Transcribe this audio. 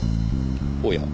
おや。